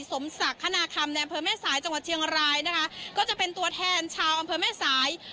สมศักดิ์คณาคำในอำเภอแม่สายจังหวัดเชียงรายนะคะก็จะเป็นตัวแทนชาวอำเภอแม่สาย